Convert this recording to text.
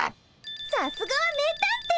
さすがは名探偵！